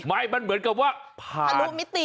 ไม่มันเหมือนกับว่าทะลุมิติ